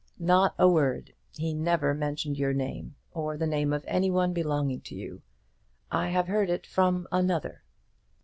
"Not a word. He never mentioned your name, or the name of any one belonging to you. I have heard it from another."